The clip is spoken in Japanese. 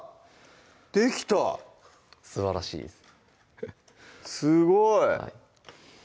できたすばらしいですすごい！